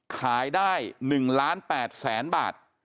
ขายได้๑๘๐๐๐๐๐บาท